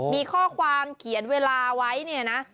มีข้อความเขียนเวลาไว้เนี่ยนะ